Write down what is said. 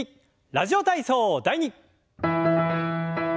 「ラジオ体操第２」。